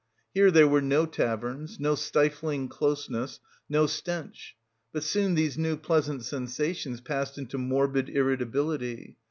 Here there were no taverns, no stifling closeness, no stench. But soon these new pleasant sensations passed into morbid irritability.